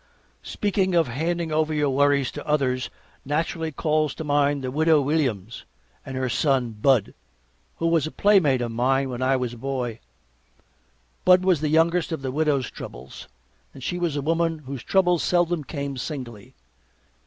Speaking of handing over your worries to others naturally calls to mind the Widow Williams and her son Bud, who was a playmate of mine when I was a boy. Bud was the youngest of the Widow's troubles, and she was a woman whose troubles seldom came singly.